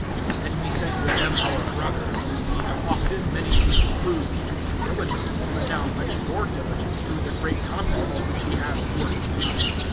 (22)And we sent with them our brother, whom we have often in many things proved to be diligent, but now much more diligent, through the great confidence which he has toward you.